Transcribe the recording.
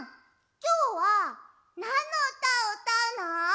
きょうはなんのうたをうたうの？